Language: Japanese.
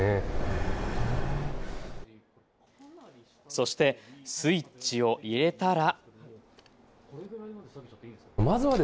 そしてスイッチを入れたら。